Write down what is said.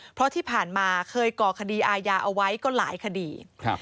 เพราะที่ผ่านมาเคยก่อคดีอาญาเอาไว้ก็หลายคดีครับ